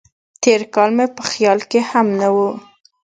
تېر کال مې په خیال کې هم نه و.